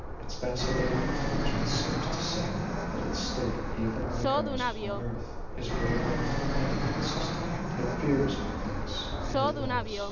Its vacillating effulgence seems to say that its state, even like ours upon earth, is wavering and inconstant; it fears, methinks, and it loves."